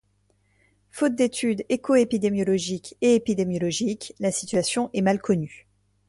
Faute d'études écoépidémiologique et épidémiologiques, la situation est mal connue.